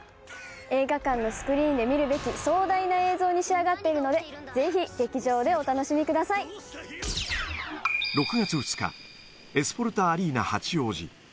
映画館のスクリーンで見るべき壮大な映像に仕上がっているので、６月２日、エスフォルタアリーナ八王子。